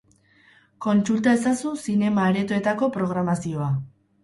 Kontsulta ezazu zinema-aretoetako programazioa.